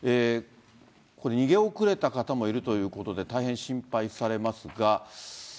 逃げ遅れた方もいるということで、大変心配されますが。